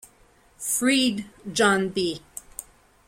Freed, John B.